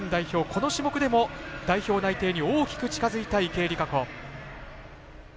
この種目でも代表内定に大きく近づいた池江璃花子。